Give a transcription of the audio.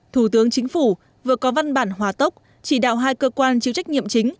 thủ tướng chính phủ vừa có văn bản hòa tốc chỉ đạo hai cơ quan chịu trách nhiệm chính